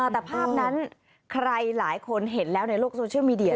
แต่ภาพนั้นใครหลายคนเห็นแล้วในโลกโซเชียลมีเดีย